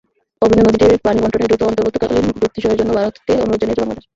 অভিন্ন নদীটির পানি বণ্টনে দ্রুত অন্তর্বর্তীকালীন চুক্তি সইয়ের জন্য ভারতকে অনুরোধ জানিয়েছে বাংলাদেশ।